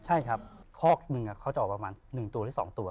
ใช่ครับคอกหนึ่งเขาจะออกประมาณ๑ตัวหรือ๒ตัว